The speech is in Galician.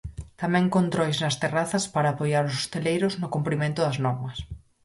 Tamén controis nas terrazas para apoiar aos hostaleiros no cumprimento das normas.